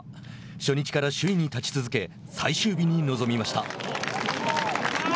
初日から首位に立ち続け最終日に臨みました。